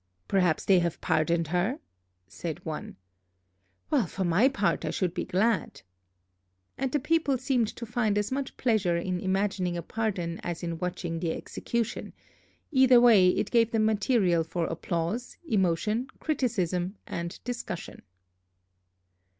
"Perhaps they have pardoned her?" said one. "Well, for my part, I should be glad." And the people seemed to find as much pleasure in imagining a pardon as in watching the execution: either way it gave them material for applause, emotion, criticism, and discussion.